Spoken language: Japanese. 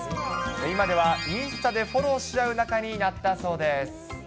今ではインスタでフォローし合う仲になったそうです。